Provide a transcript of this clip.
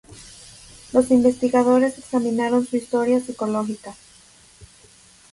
Los investigadores examinaron su historia psicológica.